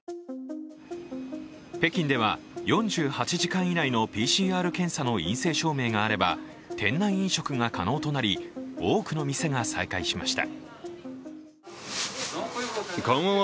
北京では４８時間以内のＰＣＲ検査の陰性証明があれば、店内飲食が可能となり、多くの店が再開しました。